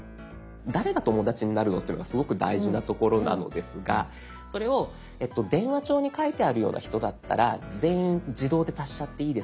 誰が友だちになるのっていうのがすごく大事なところなのですがそれを「電話帳に書いてあるような人だったら全員自動で足しちゃっていいですか？」